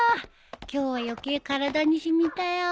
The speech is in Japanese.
今日は余計体に染みたよ。